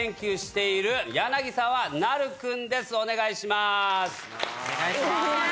お願いします